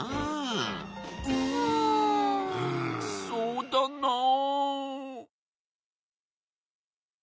そうだな。